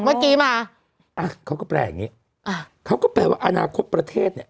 เมื่อกี้มาอ่ะเขาก็แปลอย่างงี้อ่าเขาก็แปลว่าอนาคตประเทศเนี้ย